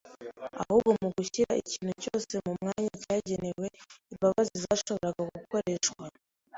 ahubwo mu gushyira ikintu cyose mu mwanya cyagenewe, imbabazi zashoboraga gukoreshwa